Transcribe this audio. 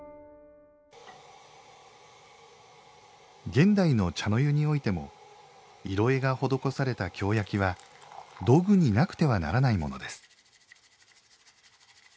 現代の茶の湯においても色絵が施された京焼は道具になくてはならないものです。